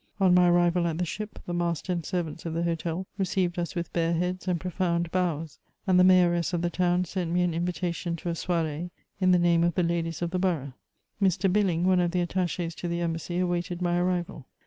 On my arrival at the '' Ship,*' the master and servants of the hotel received us with bare heads and profound bows ; and the mayoress of the town sent me an invitation to a soirSe^ in the name of the ladies of the borough. Mr. Billing, one of the attaches to the embassy, awaited my arrival.